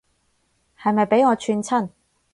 係咪畀我串親